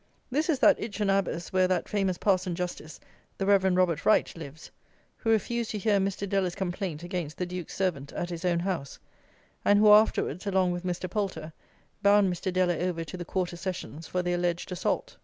This is that Itchen Abas where that famous Parson Justice, the Reverend Robert Wright, lives, who refused to hear Mr. Deller's complaint against the Duke's servant at his own house, and who afterwards, along with Mr. Poulter, bound Mr. Deller over to the Quarter Sessions for the alleged assault.